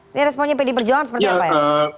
ini responnya pd perjuangan seperti apa ya